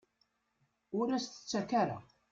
Ur as-t-ttakk ara.